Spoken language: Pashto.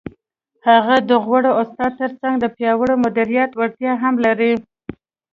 هغه د غوره استاد تر څنګ د پیاوړي مدیریت وړتیا هم لري.